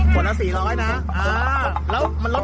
ช่วงนี้น้ำตาลมันแทง